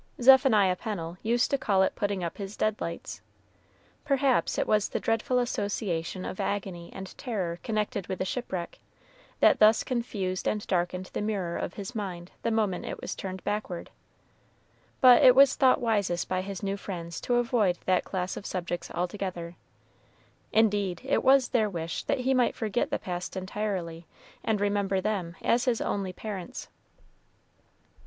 Zephaniah Pennel used to call it putting up his dead lights. Perhaps it was the dreadful association of agony and terror connected with the shipwreck, that thus confused and darkened the mirror of his mind the moment it was turned backward; but it was thought wisest by his new friends to avoid that class of subjects altogether indeed, it was their wish that he might forget the past entirely, and remember them as his only parents.